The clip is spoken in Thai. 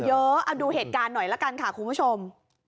เยอะเอาดูเหตุการณ์หน่อยละกันค่ะคุณผู้ชม